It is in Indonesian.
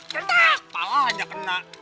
kenapa aja kena